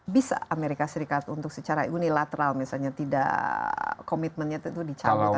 bisa amerika serikat untuk secara unilateral misalnya tidak komitmennya itu dicabut